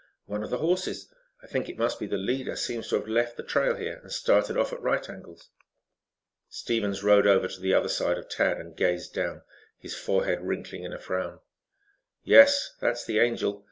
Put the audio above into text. "One of the horses, I think it must be the leader, seems to have left the trail here and started off at right angles." Stevens rode over to the other side of Tad, and gazed down, his forehead wrinkling in a frown. "Yes, that's the Angel.